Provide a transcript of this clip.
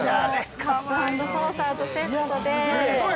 ◆カットアンドソーサーとセットで。